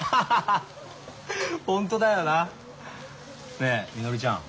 ねえみのりちゃん